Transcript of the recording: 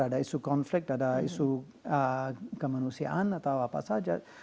ada isu konflik ada isu kemanusiaan atau apa saja